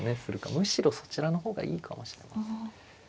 むしろそちらの方がいいかもしれません。